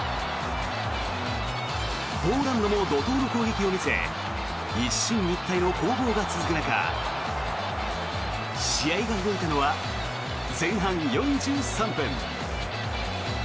ポーランドも怒とうの攻撃を見せ一進一退の攻防が続く中試合が動いたのは前半４３分。